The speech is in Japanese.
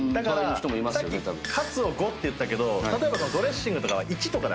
さっきカツを５って言ったけど例えばドレッシングは１とかだから。